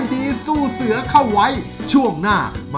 พาเปลี่ยนชื่อแล้วเหรอ